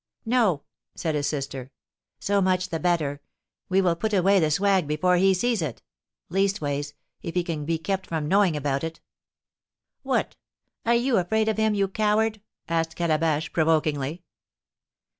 "No," said his sister. "So much the better; we will put away the swag before he sees it; leastways, if he can be kept from knowing about it." "What! Are you afraid of him, you coward?" asked Calabash, provokingly.